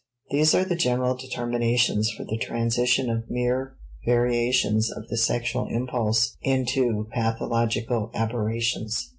These are the general determinations for the transition of mere variations of the sexual impulse into pathological aberrations.